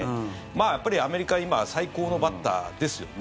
やっぱりアメリカで今、最高のバッターですよね。